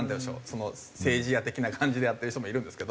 政治屋的な感じでやってる人もいるんですけど。